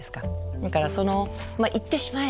だから行ってしまえ。